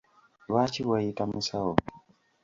Lwaki weeyita musawo?